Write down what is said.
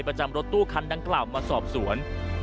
ประจำรถตู้คันดังกล่าวมาสอบสวน